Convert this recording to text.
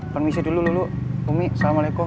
permisi dulu lulu umi assalamualaikum